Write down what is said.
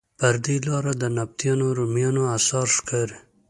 پر دې لاره د نبطیانو، رومیانو اثار ښکاري.